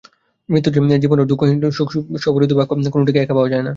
মৃত্যুহীন জীবন ও দুঃখহীন সুখ স্ববিরোধী বাক্য, কোনটিকেই একা পাওয়া যায় না।